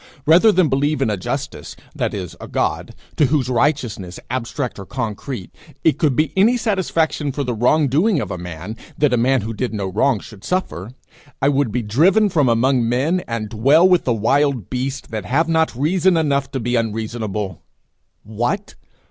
Rather than believe in a justice that is, a God to whose righteousness, abstract or concrete, it could be any satisfaction for the wrong doing of a man that a man who did no wrong should suffer, I would be driven from among men, and dwell with the wild beasts that have not reason enough to be unreasonable. What!